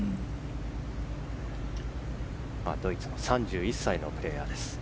ドイツの３１歳のプレーヤーです。